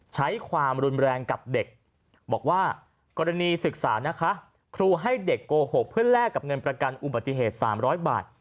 ใช้ความรุนแรงกับเด็กบอกว่ากรณีศึกษานะคะครูให้เด็กโกหกเพื่อแลกกับเงินประกันอุบัติเหตุ๓๐๐บาท